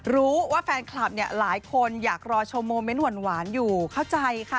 รู้ว่าแฟนคลับเนี่ยหลายคนอยากรอชมโมเมนต์หวานอยู่เข้าใจค่ะ